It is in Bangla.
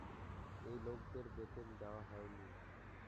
এই লোকেদের বেতন দেওয়া হয়নি।